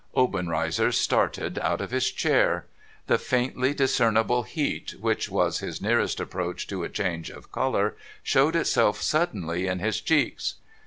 Obenreizer started out of his chair. The faintly discernible beat, which was his nearest approach to a change of colour, showed itself suddenly in his cheeks.